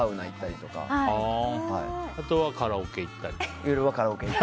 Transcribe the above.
あとはカラオケ行ったり？